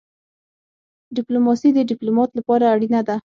ډيپلوماسي د ډيپلومات لپاره اړینه ده.